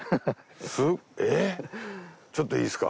えっちょっといいですか。